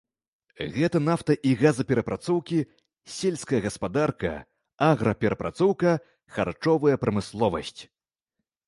Гэта нафта і газаперапрацоўкі, сельская гаспадарка, аграперапрацоўка, харчовая прамысловасць.